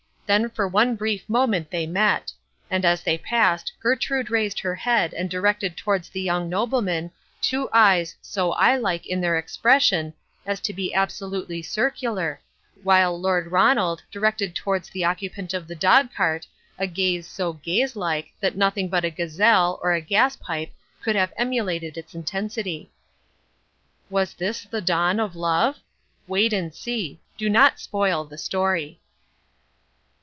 Then for one brief moment they met. As they passed Gertrude raised her head and directed towards the young nobleman two eyes so eye like in their expression as to be absolutely circular, while Lord Ronald directed towards the occupant of the dogcart a gaze so gaze like that nothing but a gazelle, or a gas pipe, could have emulated its intensity. Was this the dawn of love? Wait and see. Do not spoil the story.